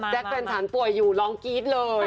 แฟนฉันป่วยอยู่ร้องกรี๊ดเลย